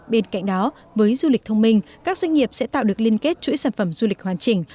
bên cạnh đó với du lịch thông minh các doanh nghiệp sẽ tạo được liên kết chuỗi sản phẩm du lịch hoàn chỉnh